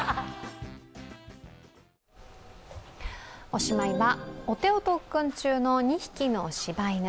おしまいは、お手を特訓中の２匹の柴犬。